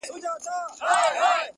گوره په ما باندي ده څومره خپه,